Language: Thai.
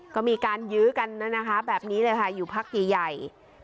ก็มีการยื้อกันนะคะแบบนี้เลยค่ะอยู่พักใหญ่